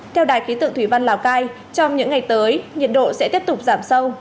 theo đài khí tượng thủy văn lào cai trong những ngày tới nhiệt độ sẽ tiếp tục giảm sâu